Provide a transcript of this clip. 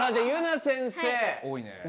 先生！